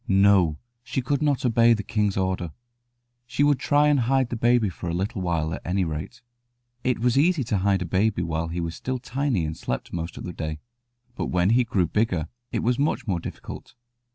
No, she could not obey the king's order. She would try and hide the baby for a little while, at any rate. It was easy to hide a baby while he was still tiny and slept most of the day; but when he grew bigger it was much more difficult.